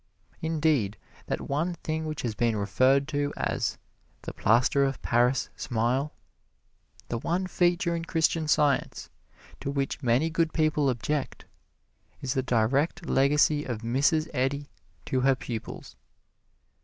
Indeed, that one thing which has been referred to as "the plaster of Paris smile," the one feature in Christian Science to which many good people object, is the direct legacy of Mrs. Eddy to her pupils.